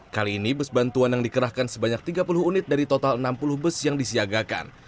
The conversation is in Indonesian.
kali ini bus bantuan yang dikerahkan sebanyak tiga puluh unit dari total enam puluh bus yang disiagakan